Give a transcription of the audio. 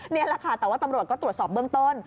นี่แหละค่ะแต่ว่าตำรวจก็ตรวจสอบเบื้องต้น